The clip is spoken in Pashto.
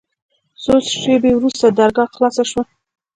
څو شېبې وروسته درګاه خلاصه سوه.